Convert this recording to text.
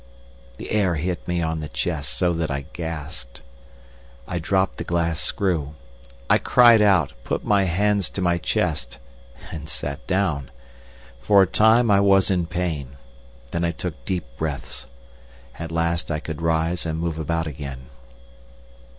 The air hit me on the chest so that I gasped. I dropped the glass screw. I cried out, put my hands to my chest, and sat down. For a time I was in pain. Then I took deep breaths. At last I could rise and move about again.